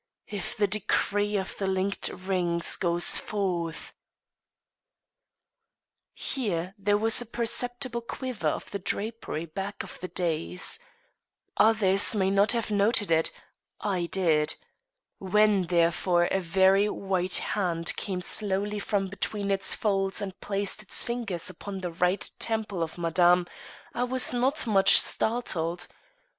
if the decree of the linked rings goes forth _" Here there was a perceptible quiver of the drapery back of the dais. Others may not have noted it; I did. When, therefore, a very white hand came slowly from between its folds and placed its fingers upon the right temple of Madame, I was not much startled.